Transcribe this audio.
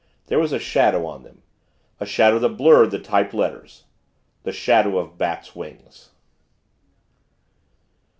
There was a shadow on them a shadow that blurred the typed letters the shadow of bat's wings.